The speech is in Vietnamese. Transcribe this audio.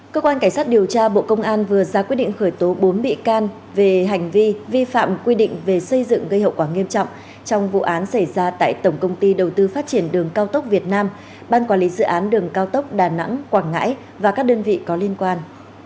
cơ quan cảnh sát điều tra bộ công an vừa ra quyết định khởi tố bốn bị can về hành vi vi phạm quy định về xây dựng gây hậu quả nghiêm trọng trong vụ án xảy ra tại tổng công ty đầu tư phát triển đường cao tốc việt nam ban quản lý dự án đường cao tốc đà nẵng quảng ngãi và các đơn vị có liên quan